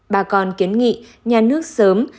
bà con kiến nghị nhà nước sớm